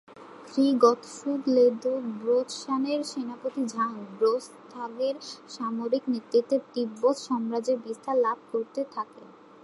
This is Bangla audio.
খ্রি-গ্ত্সুগ-ল্দে-ব্র্ত্সানের সেনাপতি ঝাং-'ব্রো-স্তাগের সামরিক নেতৃত্বে তিব্বত সাম্রাজ্য বিস্তার লাভ করতে থাকে।